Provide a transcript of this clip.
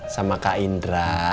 sama kak indra